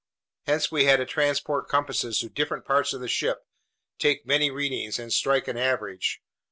Hence we had to transport compasses to different parts of the ship, take many readings, and strike an average.